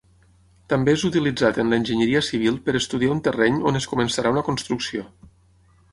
També és utilitzat en l'enginyeria civil per estudiar un terreny on es començarà una construcció.